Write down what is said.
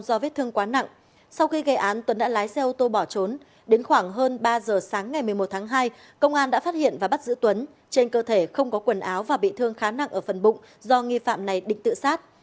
ba giờ sáng ngày một mươi một tháng hai công an đã phát hiện và bắt giữ tuấn trên cơ thể không có quần áo và bị thương khá nặng ở phần bụng do nghi phạm này định tự sát